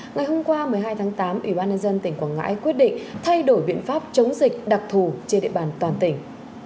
ngày hôm qua một mươi hai tháng tám ủy ban nhân dân tỉnh quảng ngãi quyết định thay đổi biện pháp chống dịch đặc thù trên địa bàn toàn tỉnh